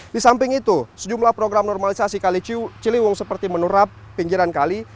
di samping itu sejumlah program normalisasi kali ciliwung seperti menerap pinggiran kali